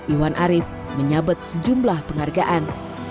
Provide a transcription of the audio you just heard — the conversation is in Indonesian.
iwan arief menyabet sejumlah penghargaan